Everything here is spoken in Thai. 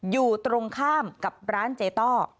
อยู่ตรงข้ามกับร้านเจต้อ